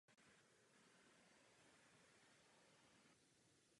Chambers jmenován ministrem.